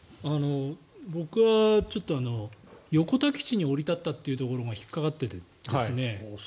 僕はちょっと横田基地に降り立ったというところが引っかかっていてですね。